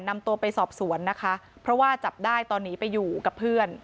นำตัวไปสอบสวนนะคะเพราะว่าจับได้ตอนนี้ไปอยู่กับเพื่อน